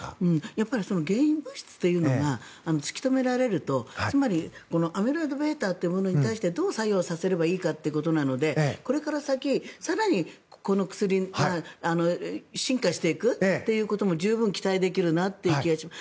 やっぱり原因物質というのが突き止められるとつまりアミロイドβというものに対してどう作用させればいいかということなのでこれから先、更にこの薬が進化していくということも十分期待できるなという気がします。